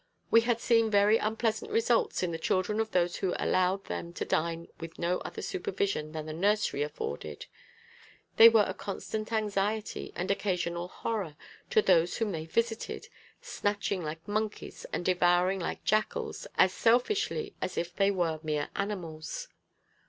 We had seen very unpleasant results in the children of those who allowed them to dine with no other supervision than the nursery afforded: they were a constant anxiety and occasional horror to those whom they visited snatching like monkeys, and devouring like jackals, as selfishly as if they were mere animals.